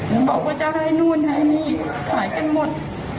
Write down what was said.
นั่งบอกว่าจะให้นู่นน่ะมีหายไปหมด